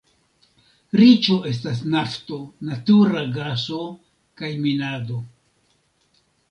Riĉo estas nafto, natura gaso kaj minado.